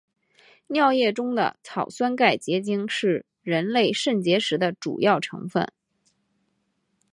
尿液中的草酸钙结晶是人类肾结石的主要成分。